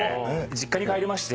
実家に帰りまして。